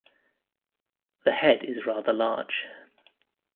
The head is rather large.